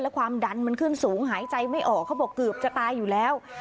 ความดันมันขึ้นสูงหายใจไม่ออกเขาบอกเกือบจะตายอยู่แล้ว